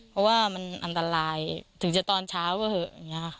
เพราะว่ามันอันตรายถึงจะตอนเช้าก็เหอะอย่างนี้ค่ะ